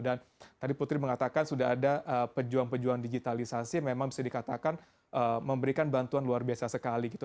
dan tadi putri mengatakan sudah ada pejuang pejuang digitalisasi memang bisa dikatakan memberikan bantuan luar biasa sekali gitu